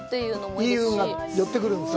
いい運が寄ってくるんですね。